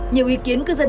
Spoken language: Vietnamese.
nhiều ý kiến cư dân